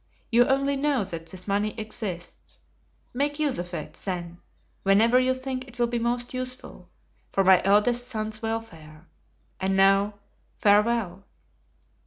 You only know that this money exists. Make use of it, then, whenever you think it will be most useful, for my eldest son's welfare. And now, farewell."